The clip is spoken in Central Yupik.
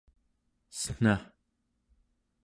cen̄a